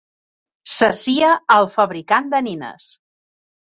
Sacia el fabricant de nines.